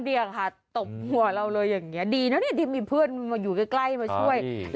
เลยอย่างเนี้ยดีนะเนี่ยที่มีเพื่อนมาอยู่ใกล้มาช่วย